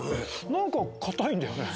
何か硬いんだよね。